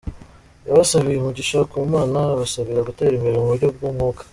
Yabasabiye umugisha ku Mana, abasabira gutera imbere mu buryo bw’Umwuka.